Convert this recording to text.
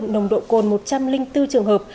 nồng độ cồn một trăm linh bốn trường hợp